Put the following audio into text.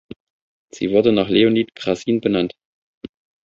Sie wurde nach Leonid Krassin benannt.